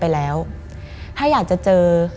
มันกลายเป็นรูปของคนที่กำลังขโมยคิ้วแล้วก็ร้องไห้อยู่